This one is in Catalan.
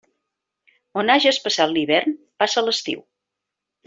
On hages passat l'hivern, passa l'estiu.